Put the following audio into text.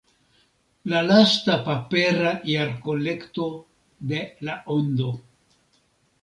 La lasta papera jarkolekto de La Ondo.